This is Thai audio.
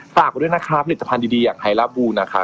ฝากกันด้วยนะคะผลิตภัณฑ์ดีอย่างไฮล่าบูลนะคะ